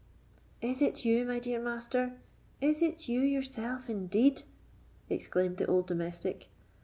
"Is it you, my dear master?—is it you yourself, indeed?" exclaimed the old domestic.